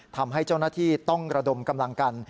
ทำให้เจ้าหน้าที่ต้องระดมกำลังกัน